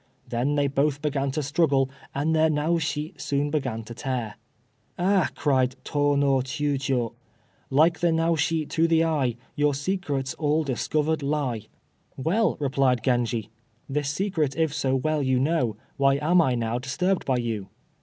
Then they both began to struggle, and their Naoshi soon began to tear. "Ah," cried Tô no Chiûjiô, "Like the Naoshi to the eye, Your secrets all discovered lie." "Well," replied Genji, "This secret if so well you know, Why am I now disturbed by you?"